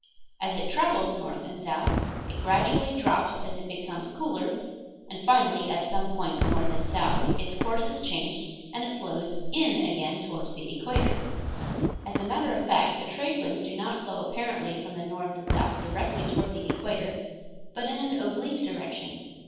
As it travels north and south it gradually drops as it becomes cooler, and finally at some point north and south its course is changed and it flows in again toward the equator. As a matter of fact, the trade winds do not flow apparently from the north and south directly toward the equator, but in an oblique direction.